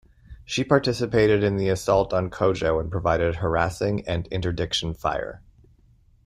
She participated in the assault on Kojo and provided harassing and interdiction fire.